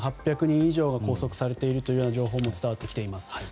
１８００人以上が拘束されているという情報も伝わってきています。